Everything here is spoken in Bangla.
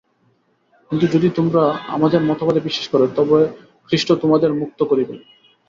কিন্তু যদি তোমরা আমাদের মতবাদে বিশ্বাস কর, তবে খ্রীষ্ট তোমাদের মুক্ত করিবেন।